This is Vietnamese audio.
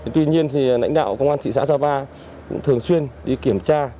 tuy nhiên thì lãnh đạo công an thị xã gia ba cũng thường xuyên đi kiểm tra